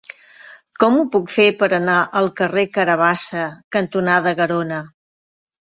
Com ho puc fer per anar al carrer Carabassa cantonada Garona?